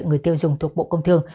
người tiêu dùng thuộc bộ công thường